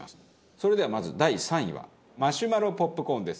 それではまず第３位はマシュマロポップコーンです。